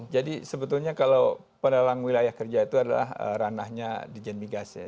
jadi sebetulnya kalau penelang wilayah kerja itu adalah ranahnya di jendmigas ya